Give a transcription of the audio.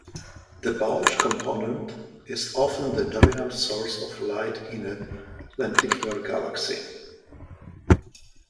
The bulge component is often the dominant source of light in a lenticular galaxy.